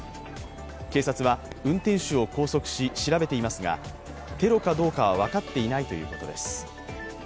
警察は、運転手を拘束し調べていますがテロかどうかは分かっていないということです。